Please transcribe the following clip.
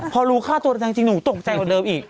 พอรู้ค่าตัวจริงหนูตกใจกว่าเดิมอีก